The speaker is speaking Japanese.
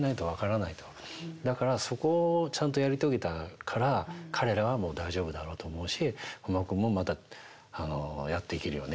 だからそこをちゃんとやり遂げたから彼らはもう大丈夫だろうと思うし本間君もまたやっていけるよね」